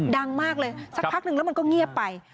ดังมากเลยสักพักหนึ่งแล้วมันก็เงียบไป